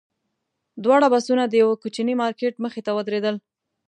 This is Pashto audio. دواړه بسونه د یوه کوچني مارکېټ مخې ته ودرېدل.